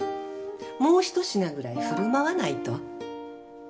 もう一品ぐらい振る舞わないと。